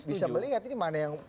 bisa melihat ini mana yang